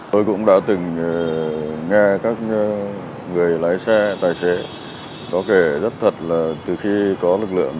tôi cũng đã từng nghe các người lái xe tài xế có kể rất thật là từ khi có lực lượng một trăm bốn mươi một